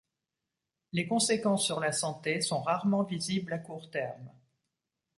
Les conséquences sur la santé sont rarement visibles à court terme.